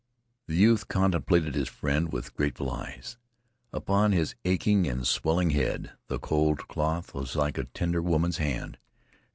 The youth contemplated his friend with grateful eyes. Upon his aching and swelling head the cold cloth was like a tender woman's hand.